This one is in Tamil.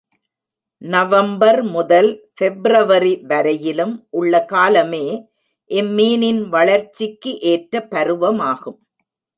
நவம்பர் முதல் ஃபெப்ருவரி வரையிலும் உள்ள காலமே இம்மீனின் வளர்ச்சிக்கு ஏற்ற பருவமாகும்.